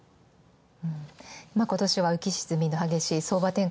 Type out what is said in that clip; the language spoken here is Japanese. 今年は浮き沈みの激しい相場展開